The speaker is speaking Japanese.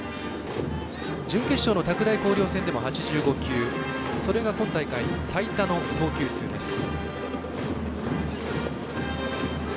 準決勝の拓大紅陵戦でも８５球、それが今大会最多の投球数です。